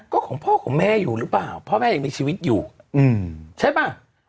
ก็ของพ่อของแม่อยู่หรือเปล่าพ่อแม่ยังมีชีวิตอยู่ใช่ป่ะ